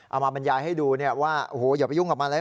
บรรยายให้ดูว่าโอ้โหอย่าไปยุ่งกับมันเลย